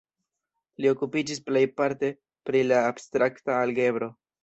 Li okupiĝis plejparte pri la abstrakta algebro.